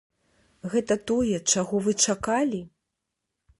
Гэта тое, чаго вы чакалі?